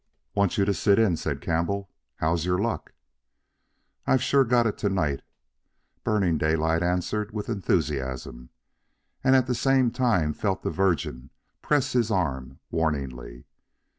"Want you to sit in," said Campbell. "How's your luck?" "I sure got it to night," Burning Daylight answered with enthusiasm, and at the same time felt the Virgin press his arm warningly.